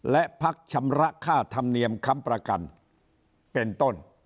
และพักชำระค่าธรรมเนียมค้ำประกันเป็นต้น